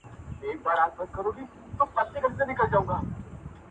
ګیدړ ژر له حیرانیه کړه خوله وازه -